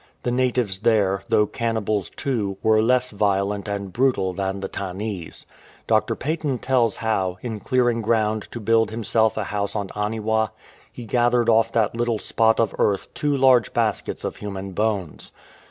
The natives there, though cannibals too, were less violent and brutal than the Tannese. Dr. Paton tells how, in clearing ground to build himself a house on Aniwa, he gathered off that little spot of earth two large baskets of human bones.